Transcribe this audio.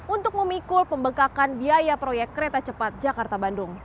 untuk memikul pembekakan biaya proyek kereta cepat jakarta bandung